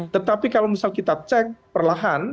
tetapi kalau misal kita cek perlahan